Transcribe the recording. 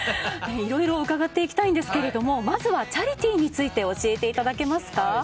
いろいろ伺っていきたいんですがまずはチャリティーについて教えていただけますか？